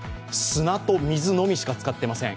砂と水のみしか使っていません。